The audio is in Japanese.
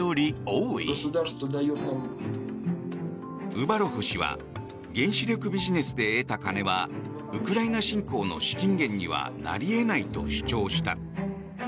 ウバロフ氏は原子力ビジネスで得た金はウクライナ侵攻の資金源にはなり得ないと主張した。